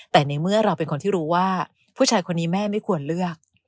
แต่ในเมื่อเราเป็นคนที่รู้ว่าผู้ชายคนนี้แม่ไม่ควรเลือก